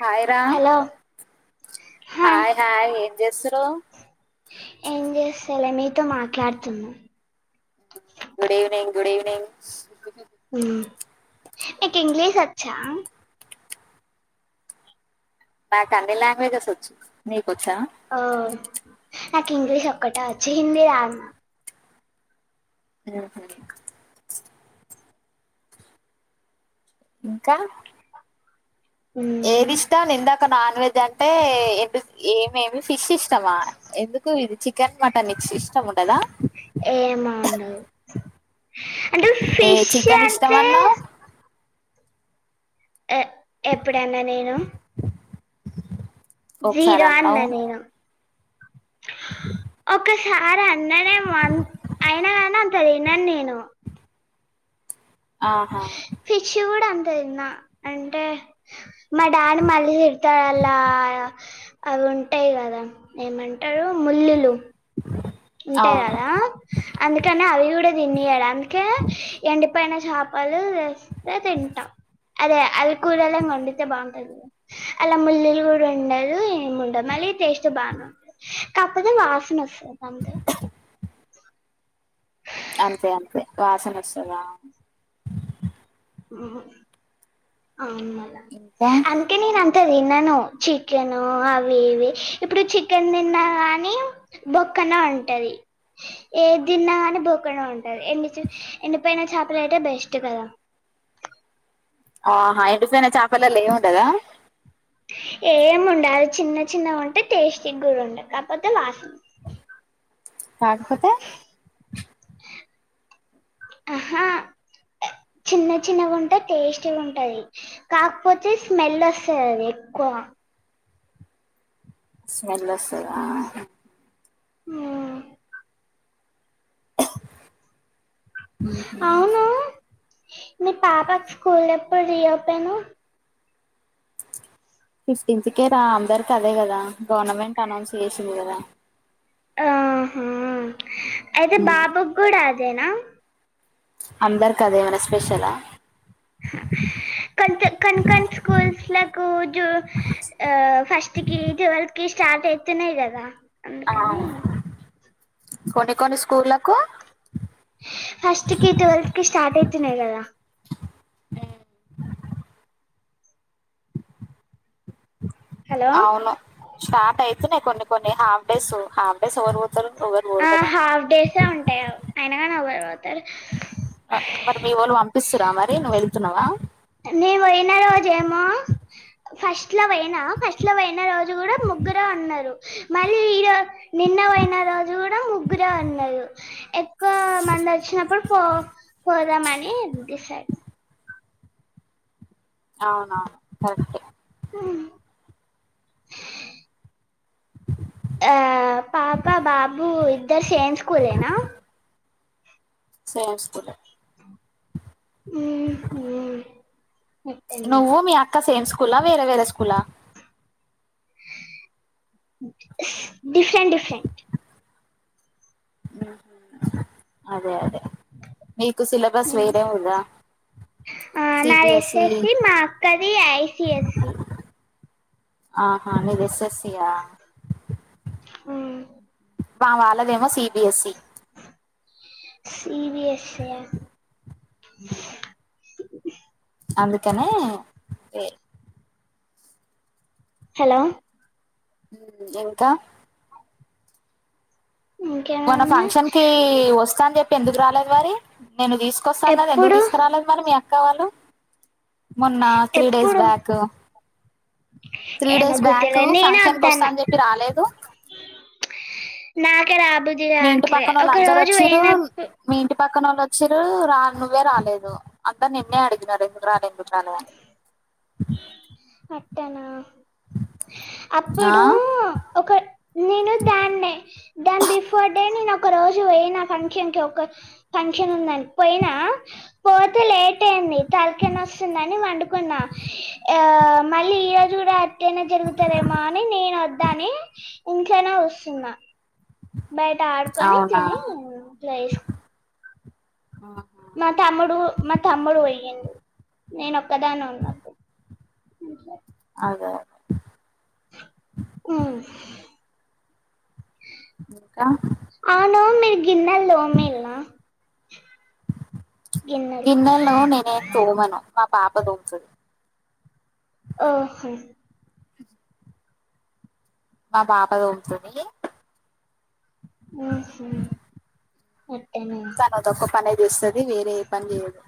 Hi రా hello hi hi ఏం జేస్తున్నావ్ తెలే మీతో మాట్లాడుతున్నాం గుడ్ ఈవినింగ్ గుడ్ ఈవినింగ్ మ్ నీకు ఇంగ్లీష్ వచ్చా నాకు అన్ని లాంగ్వేజెస్ వచ్చు నీకొచ్చా ఓ నాకు ఇంగ్లీష్ ఒక్కటే వచ్చు హిందీ రాదు మ్ హు ఇంకా నాకు మ్మ్ ఏది ఇష్టం ఇందాక నాన్ వెజ్ అంటే ఎందుకు ఏమేమి ఫిష్ ఇస్ ఇష్టమా ఎందుకు ఇది చికెన్ మటన్ ఇష్టం ఉండదా ఏమో ఉండదు అంటే ఏ ఫిష్ చికెన్ ఇష్టం అంటే అన్నవ్ ఎప్పుడన్నా నేను ఒకసారి జీరో అన్న నేను అ సార్ అన్నానేేమో అ అయినా కానీ అంత తిన్నను నేను ఆహా ఫిస్ కూడ తిన్న అంటే మా డాడీ మళ్ళీ తిడ్తాడు అలా అ ఉంటాయి కదా ఏమంటారు ముల్లులు ఉంటాయి అవును కదా అందుకని అవి కూడా తిన్నియడు అందుకే ఎండి పోయిన చేపలు తేస్తే తింటా అదే అది కూరలా వండితే బావుంటది అలా ముల్లులు కూడా ఉండదు ఏముండవ్ మళ్ళీ టెస్ట్ బానే ఉంటది కాపోతే వాసన వస్తుంది అంతే అంతే అంతే వాసన వస్తదా అవును మళ్ళ ఇంకా అందుకే నేను అ త తిన్నను చికెను అవి ఇవి ఇప్పుడు చికెన్ తిన్నా గాని బొ క్కనే ఉంటది ఏ దిన్నాగాని బుగ్గనే ఉంటది ఎన్ని ఎండిపోయిన చేపల అయితే బెస్ట్ కదా ఆహా ఎండిపోయిన చేపలల్లో ఏముండద ఏం ఉండాదు చిన్న చిన్నగా ఉంటే టేస్టి గూడ ఉంటయ్ కాపోతే వాసన కాకపోతే ఆహా చిన్న చిన్నగా ఉంటే టేస్ట్ ఉంటది కాకపోతే స్మెల్ వస్తుంది అది ఎక్కువ స్మెల్స్ ఆ ఆ హ నీ పాపకి స్కూల్ ఎప్పుడు రీ అపోను ఫిఫ్టీన్త్కే రా అందరికి అదే కదా గవర్నమెంట్ అనౌన్స్ చేసింది కదా ఆహ అయితే బాబుకి కూడా అదేనా అందరు కద ఏమైనా స్పెషలా క కన్ కన్ స్కూల్స్ కు ఫస్ట్ కి ట్వల్త్ కి స్టార్ట్ అయితునే ఇదదా ఆ అందుకని కొన్ని కొన్ని స్కూళ్లకు ఫస్ట్కి టైవెల్త్ కి స్టార్ట్ అయితున్నయ్ కదా ఆ హలో అవును స్టార్ట్ అయితేనే కొన్ని కొన్ని హాఫ్ డేస్ హాఫ్ డేస్ ఎవరు పోతారు ఎవరు పోరు ఆ కదా హాఫ్ డేసే ఉంటయ్ అయిన కాని అవ్ [unintelligible] మరి మీ వాళ్ళు పంపిస్తురా మరి నువ్వు వెళ్తున్నావా నే పోయిన రోజేమో ఫస్ట్ లో పోయినా ఫస్ట్ లో పోయిన రోజు కూడా ముగ్గురు ముగ్గుర ఉన్నారు మళ్ళీ ఈ రజు నిన్న పోయిన రోజు కూడా ముగ్గుర ఉన్నారు ఎక్కువ మంది వచ్చినప్పుడు పో పోదామని డిసైడ్ అవునవును కరెక్టే ఆ పాప బాబు ఇద్దరు సేమ్ స్కూలేనా సేస్తు ఉ నువ్వు మీ అక్క సేమ్ స్కూలా వేరే వేరే స్కూలా దూషం దూషం అదే అదే మీకు సిలబస్ వేరే ఉందా ఆ నా సిబిఎస్ఈ ఎస్ఎస్సి మా అక్కది ఐసిఎస్సి ఆహా మీది ఎశసయా మా వాళ్ళదేమో సి బి ఎస్ ఈ సివిఎస్ అందుకనే హలో ఇంకా మన ఇంకేమన్నా ఫంక్షన్ కి వస్తా అని చెప్పి ఎందుకు రాలేదు వరి నిన్ను తీసుకొస్తాన్నదది ఎందుకు ఎప్పుడు తీసుకురాలేదు మరి మీ అక్క వాళ్ళు మొన్న త్రీ డేస్ ఎప్పుడు బ్యాకు త్రీ ఏమో డేస్ బ్యాక్ గుర్తులే నేనే ఫంక్షన్ క వస్తా వద్దన్న అని చెప్పి రాలేదు నాకే రాబుద్ది మీ ఇంటి కాట్లే పక్కన వాళ్ళు ఒక అందరు రోజు వచ్చారు పోయినప్పుడు మీ ఇంటి పక్కనోళ్ళు వచ్చిరు రా నువ్వే రాలేదు అంతా నిన్నే అడిగినారు ఎందుకు రాలే ఎందుకు రాలే అని పట్టన ఆ అప్పుడు ఒక నేను దాన్నే దాని బిఫోర్ డే నేను ఒక రోజు పోయిన ఫంక్షన్ కి ఒక ఫంక్షన్ ఉందని పోయినా పోతే లేట్ అయింది తలకనా వస్తుందిని వండుకున్నా ఆ మళ్ళీ ఈ రోజు కూడా అతియినా జరుగు టదేమ అని నేను వద్దాని ఇంట్నే వస్తున్నా బయట ఆడుకొని అవునా తిని ఇలా వేసుకు ఆ మా తమ్ముడు మా తమ్ముడు పోయ్యిండు నేను ఒక్కదాన్నె ఉన్నడు అా అదా ఉమ్ అహ్ గిన్నల్ తోమిల్ల గిన్నల్ను నేనేం తోమను మా పాప తో ముతది ఓహో మా పాప దోముతది ఆ స తనోదొక్క పనేచేస్తది వేరే ఏ పని చేయదు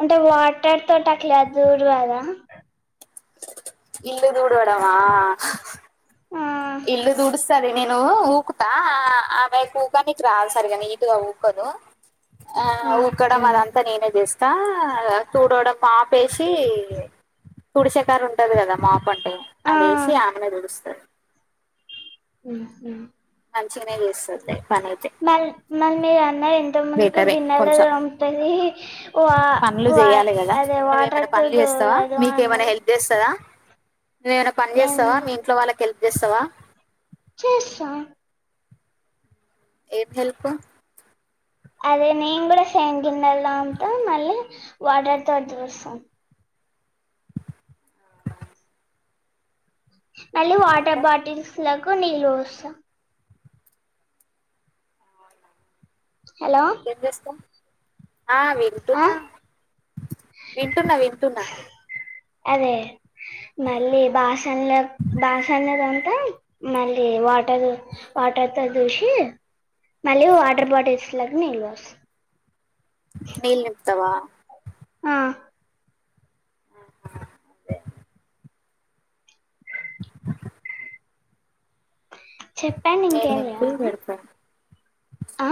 అంటే వాటర్ తోటి అట్ల దుూరు రాద ఇల్ దూడుడమా ఆ సరే నేను ఊకుతా ఆ ఆమెకి ఊగా నీకు రాదు సరిగనీ నీటుగా ఊకదు ఆ ఊకడమదంతా నేనే జస్తా ఇకా తూడోవడం పాపేసి తుడి సెకాడ ఉంటది కదా మాప అంటే ఆ అదేసి ఆమెనే తుడుస్తది ఊహు మంచిగనే చూస్తది మ మళ మీరు అన్న ఎంత ముందుకు బెటరే గిన్నెలో కొంచెం తోముతది వా పనులు వా చెయాలె కదా అదే నువ్వేమైన వాటర్ తో పనులు చేస్తావ తోమదు మీకేమైనా అన్నారు హెల్ప్ చేస్తదా నువ్వేమనా పన్ చేస్తావ ఏంది మీ ఇంట్లో వాళ్ళకి హెల్ప్ చేస్తావా చేస్తా ఏం హెల్ప్ అదే నేను గుడా సేమ్ గిన్నెలు తోముత మళ్ళీ వాటర్ తోటి తుడుస్త మళ్ళీ వాటర్ ఇంకా బాటిల్స్ లకు నీళ్ళు పోస్తా హలో ఏం చేస్తావ్ ఆ ఆ వింటున్న వింటున్న వింటున్న అదే మళ్ళీ బాషన్ల బాసన్ల తోముతాం మళ్ళీ వాటల్ వాటర్ తో తుడిసి మళ్ళీ వాటర్ బాటిల్స్ ల్లకు నీళ్లు పోస్ నీల్ నింపుతవా అ చెప్పండి నీల్ ఇంకేం నింపి లేవని పెడతా ఆ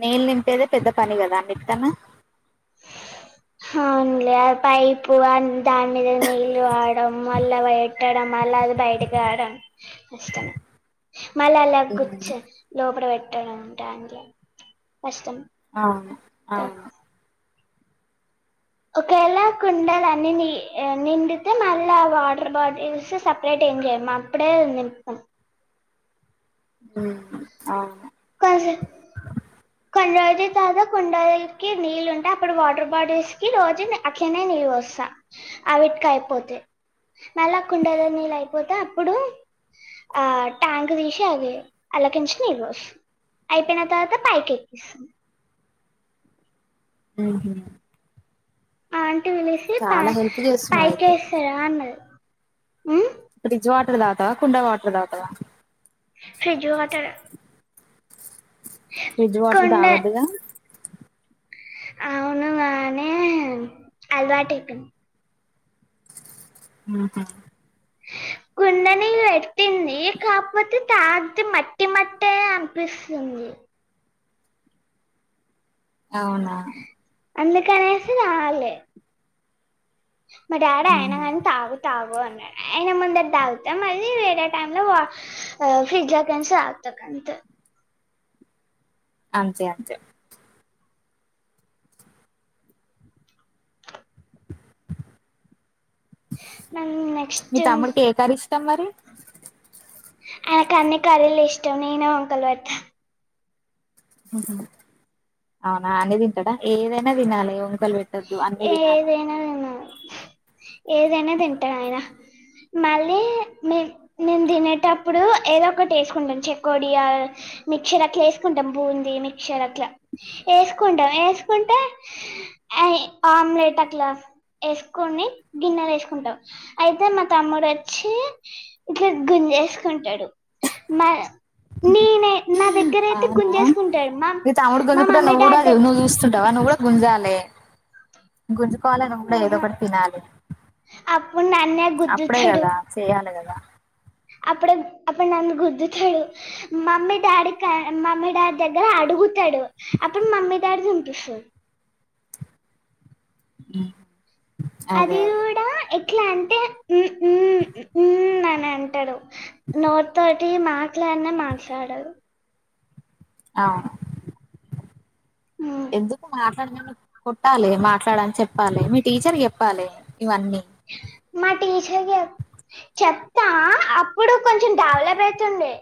నీల్ నింపేదే పెద్ద పని కదా అండి చెప్తున్నా అవున్లే ఆ పైపు అ దాని మీద నీళ్ళు పాడం మళ్ళ పెట్టడం మళ్ళ అది బయటకు రాడం కష్టమే మళ్ళీ అలా ఉమ్, కూర్చన్ లోపల పెట్టడం ఉంటాం అవును అవు ఒకేలా కుండలన్ని నిండితే మళ్ళ ఆ వాటర్ బాటిల్స్ సపరేట్ ఎం చేయమ్ అప్పుడే నిత్తం అ రజ తాద కుండల్ కి నీళ్ళు ఉంటే అప్పుడు వాటర్ బాటిల్స్ కి రోజు అట్లనే నీళ్ళు పోస్తా ఆవిట్క అయిపోతే మళ్ళా కుండల నీళ్ళు అయిపోతే అప్పుడు ఆ ట్యాంక్ తీసి అది అల్లకించి నీళ్ళు పో అయిపోయిన తర్వాత పైకే ఊహు స్టూలేసి ప హెల్ప్ చేస్తున్నావు పైకి అయితే వేస్తారు అన్నారుది ఫ్రిడ్జ్ వాటర్ దాతావ కుండా వాటర్ దతావ ఫ్రిజ్జు వాటరు ఫ్రిడ్జ్ వాటర్ కుండ తాగొద్దుగా అవును గాని అలవాటయ్ పేయింద్ ఊహు కుండని పెట్టింది కాకపోతే తాగిత మట్టి మట్టే అనిపిస్తుంది అవునా అందుకనేసి తాలే మా డాడీ ఉహు అయిన గానీ తాగు తాగు అయిన ముందర దాగుత మళ్ళీ వేరే టైం లో వ మళ్ళీ ఫ్రిడ్జ్ లో కేంచి తాగుతా అంతే అంతే మీ నెక్స్ట్ తమ్ముడికి ఏ కర్రి ఇష్టం మరి వాడికి అన్ని కరీలు ఇష్టం నేను వంకల్ వెడ్తా ఉహు అవునా అన్ని దింటాడా ఏదైనా దినాలె వంకలుపెట్టద్దు అన్ని దినాలి ఏదైనా తినాలి ఏదైనా దింటా అయినా మళ్ళీ మేమ్ నేన్ దినేటప్పుడు ఏదో ఒకటి ఏసుకుంటాను చెకోడియా మిక్చర్ అట్లా ఏసుకుంటాం బూంది మిక్చర్ అట్లా ఏసుకుంటాం ఏసుకుంటే అయ్ ఆమ్లేెట్ అట్లా ఏస్కొని గిన్నె దెచ్చుకుంటావ్ అయితే మా తమ్ముడొచ్చి ఇట్ల గున్ ఏసుకుంటాడు మ నీనే అవునా మీ తమ్ముడు మా గుంజుకుంటే మమ్మీ నువ్వు గూడా డాడీ దగ్గర నువ్వు జూస్తుంటవా నువ్వు గూడా గుంజాలె గుంజు కోవాలే నువ్వు గూడా ఏదో ఆహా, ఒకటి తినాలి అప్పుడు నన్నే అప్పుడే గుద్దుతాడు గదా చెయాలి గ ద అప్పుడు అప్పుడు నన్ను గుద్దుతాడు మమ్మీ డాడీ క మమ్మీ డాడీ దగ్గర అడుగు గుతాడు అప్పుడు మమ్మీ డాడీ తిన్పిస్తరు అ అది గూడా ఎట్లా అంటే ఉ ఉ ఊ అని అంటాడు నోటి తోటి మాట్లాన్నే మాట్లాడడు అవ్ ఉమ్. ఎందుకు మాట్లాడమని కొట్టాలి మాట్లాడని చెప్పాలి మీ టీచర్ కిచెప్ప్ చెప్పాలే ఇవన్నీ మా టీచర్ కి జెప్ చెప్తా అప్పుడు కొంచెం డెవలప్ అయితుండే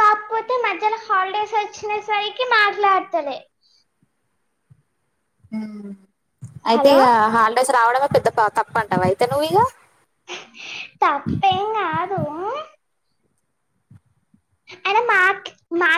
కాకపోతే మధ్యలో హాల డేస్ వచ్చిన సరికి మాట్లాడ్తలే ఆ అయితే హలో ఇగ హాలిడేస్ రావడమే పెద్ద తప్పంటావ అయితే నువ్వు ఇగ తప్పేం గాదు అయిన మాట్ల్ మా